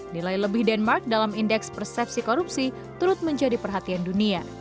nilai lebih denmark dalam indeks persepsi korupsi turut menjadi perhatian dunia